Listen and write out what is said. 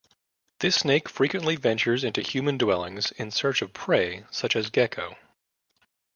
This snake frequently ventures into human dwellings in search of prey such as gecko.